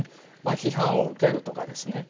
批判を受けるとかですね